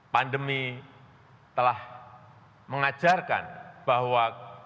pandemi telah mengajarkan bahwa